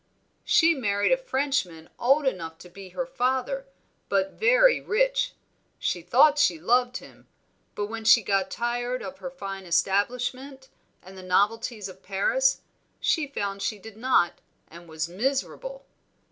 "She married a Frenchman old enough to be her father, but very rich. She thought she loved him, but when she got tired of her fine establishment, and the novelties of Paris, she found she did not, and was miserable.